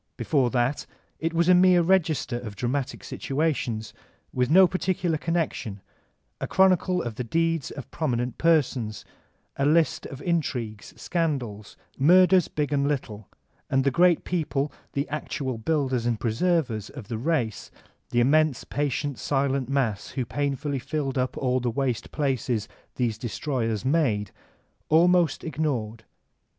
Before that it was a mere register of dramatic situations, with no particular connection, a chronicle of the deeds of prominent persons, a list of intrigues, scandals, murders b^ and little; and the great people, the actual builders and preservers of the race, the immense patient, silent mass who painfully filled up all the waste places these destroyers made, almost ignored.